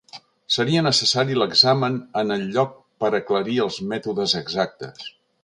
Seria necessari l'examen en el lloc per aclarir els mètodes exactes.